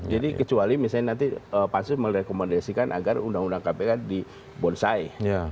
jadi kecuali misalnya nanti pansus merekomendasikan agar undang undang kpk di bonsai